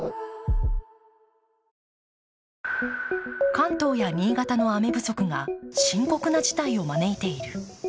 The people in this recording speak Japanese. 関東や新潟の雨不足が深刻な事態を招いている。